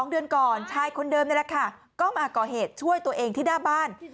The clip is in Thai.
๒เดือนก่อนชายคนเดิมนี่แหละค่ะก็มาก่อเหตุช่วยตัวเองที่หน้าบ้าน